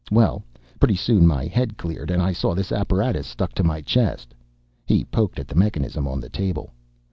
Well, pretty soon my head cleared, and I saw this apparatus stuck to my chest." He poked at the mechanism on the table.